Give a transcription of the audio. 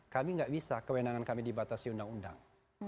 kami tidak bisa kewenangan kami dibatasi undang undang